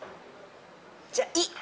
じゃあ「い」。